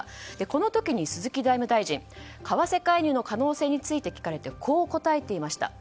この時、鈴木財務大臣為替介入の可能性について聞かれこう答えていました。